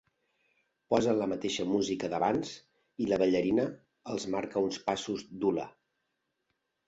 Posen la mateixa música d'abans i la ballarina els marca uns passos d'hula.